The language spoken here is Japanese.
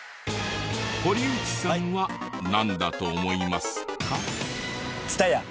堀内さんはなんだと思いますか？